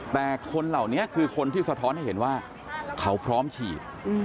แต่คนเหล่านี้คือคนที่สะท้อนให้เห็นว่าเขาพร้อมฉีด